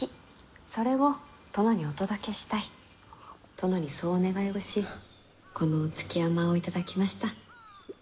殿にそうお願いをしこの築山を頂きました。